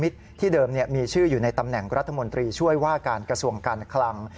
ที่เดิมมีชื่ออยู่ในตำแหน่งรัฐมนตรีช่วยว่าการกระทรวงการคลัง